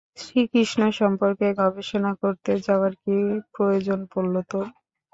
শ্রীকৃষ্ণ সম্পর্কে গবেষণা করতে যাওয়ার কী প্রয়োজন পড়লো তোর?